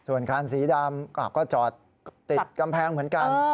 ส่วนคันสีดำก็จอดติดกำแพงเหมือนกัน